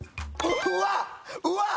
うわっ！